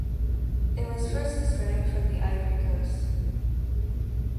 It was first described from the Ivory Coast.